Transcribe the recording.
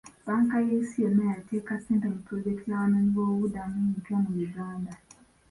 Bbanka y'ensi yonna yateeka ssente mu pulojekiti y'abanoonyiboobubudamu empya mu Uganda.